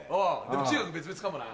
でも中学別々かもな。